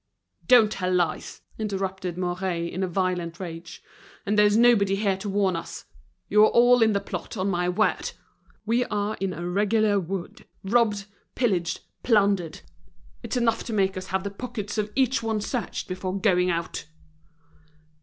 "Don't tell lies!" interrupted Mouret, in a violent rage. "And there's nobody here to warn us! You are all in the plot, on my word! We are in a regular wood, robbed, pillaged, plundered. It's enough to make us have the pockets of each one searched before going out!"